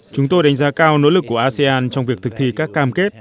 chúng tôi đánh giá cao nỗ lực của asean trong việc thực thi các cam kết